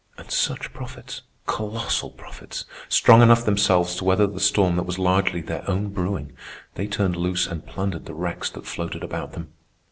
And such profits! Colossal profits! Strong enough themselves to weather the storm that was largely their own brewing, they turned loose and plundered the wrecks that floated about them.